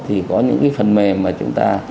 thì có những cái phần mềm mà chúng ta